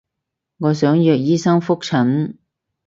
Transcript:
我想約醫生覆診